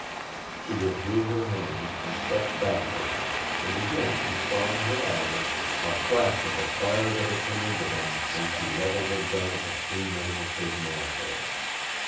She withdrew her hands and stepped back from him, and again he saw in her eyes a flash of the fire that had come into them when she leveled her gun at the three men in the prison alcove.